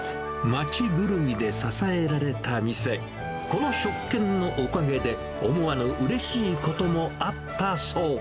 街ぐるみで支えられた店、この食券のおかげで、思わぬうれしいこともあったそう。